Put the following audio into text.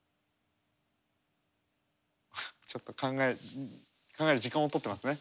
ちょっと考える時間を取ってますね。